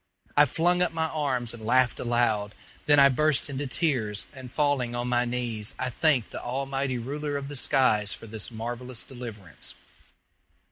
I flung up my arms and laughed aloud. Then I burst into tears, and falling on my knees, I thanked the Almighty Ruler of the skies for this marvellous deliverance.